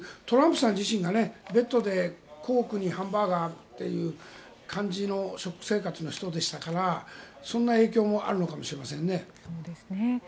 トランプさん自身がベッドでコークにハンバーガーという感じの食生活の人でしたからそういう影響もあるかもしれないですね。